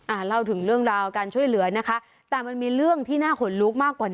เล่าถึงเรื่องราวการช่วยเหลือนะคะแต่มันมีเรื่องที่น่าขนลุกมากกว่านี้